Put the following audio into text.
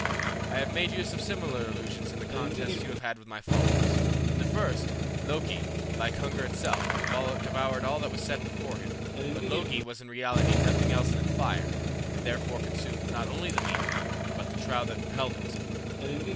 I have made use of similar illusions in the contests you have had with my followers. In the first, Loki, like hunger itself, devoured all that was set before him, but Logi was in reality nothing else than Fire, and therefore consumed not only the meat, but the trough which held it.